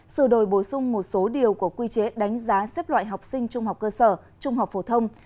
sự đổi bổ sung một số điều của quy chế đánh giá xếp loại học sinh trung học cơ sở trung học phổ thông